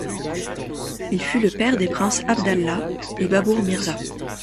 Il fut le père des princes Abd Allah et Babur Mirza.